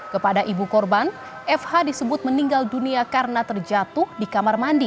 kepada ibu korban fh disebut meninggal dunia karena terjatuh di kamar mandi